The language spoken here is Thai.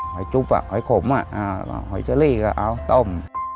หอยจุ๊บหอยขมหอยเชอรี่ก็เอาต้ม